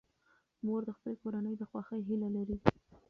مور د خپلې کورنۍ د خوښۍ هیله لري.